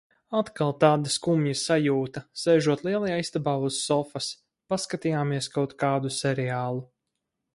Atkal tāda skumja sajūta, sēžot lielajā istabā uz sofas. Paskatījāmies kaut kādu seriālu.